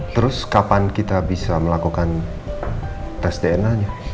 terus kapan kita bisa melakukan tes dna nya